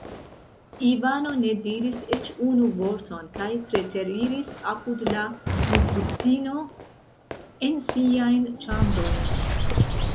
Ivano ne diris eĉ unu vorton kaj preteriris apud la nutristino en siajn ĉambrojn.